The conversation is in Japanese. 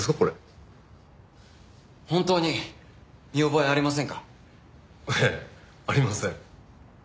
ええありません。